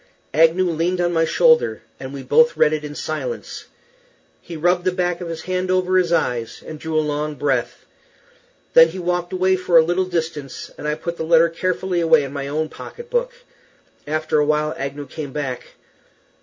Agnew leaned on my shoulder, and we both read it in silence. He rubbed the back of his hand over his eyes and drew a long breath. Then he walked away for a little distance, and I put the letter carefully away in my own pocket book. After a little while Agnew came back.